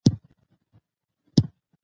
د زور سیاست ناکامېږي